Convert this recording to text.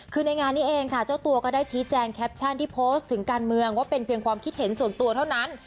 คือในงานนี้เองค่ะเจ้าตัวก็ได้ชี้แจงแคปชั่นที่โพสต์ถึงการเมืองว่าเป็นเพียงความคิดเห็นส่วนตัวเท่านั้น